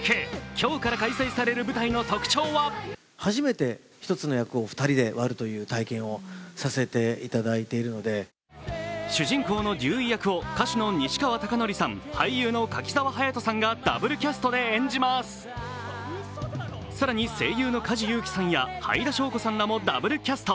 今日から開催される舞台の特徴は主人公のデューイ役を歌手の西川貴教さんや俳優の柿澤勇人さん、更に声優の梶裕貴さんやはいだしょうこさんらもダブルキャスト。